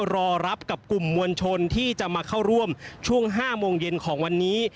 รอรับกับกลุ่มมวลชนที่จะมาเข้าร่วมช่วง๕โมงเย็นของวันนี้